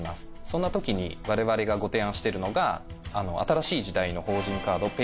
そんな時に我々がご提案しているのが新しい時代の法人カードｐａｉｌｄです。